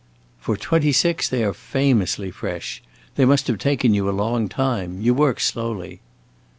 "For twenty six they are famously fresh. They must have taken you a long time; you work slowly."